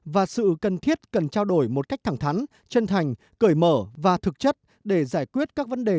và sự cần thiết cần trao đổi một cách thẳng thắn chân thành cởi mở và thực chất để giải quyết các vấn đề